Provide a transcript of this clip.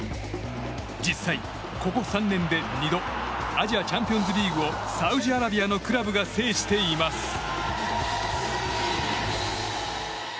実際、ここ３年で２度アジアチャンピオンズリーグをサウジアラビアのクラブが制しています。